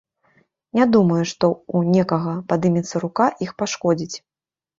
Не думаю, што ў некага падымецца рука іх пашкодзіць.